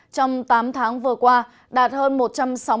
trong tám tháng vừa qua đạt hơn một trăm sáu mươi một hai trăm tám mươi sáu tỷ đồng